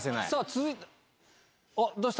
続いて。